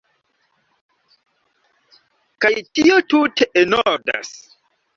Kaj tio tute enordas.